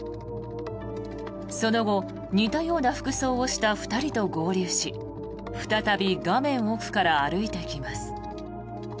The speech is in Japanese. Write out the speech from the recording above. その後、似たような服装をした２人と合流し再び画面奥から歩いてきます。